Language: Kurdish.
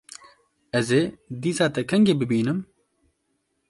Ez ê dîsa te kengî bibînim?